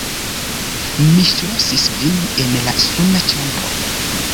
Mi ŝlosis vin en la suna ĉambro!